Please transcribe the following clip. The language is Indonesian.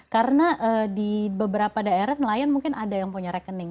karena di beberapa daerah nelayan mungkin ada yang punya rekening